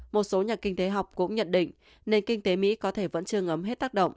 một số nhà kinh tế học cũng nhận định nền kinh tế mỹ có thể vẫn chưa ngấm hết tác động